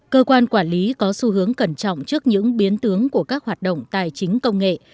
cơ quan quản lý có xu hướng cẩn trọng trước những biến tướng của các hoạt động tài chính công nghệ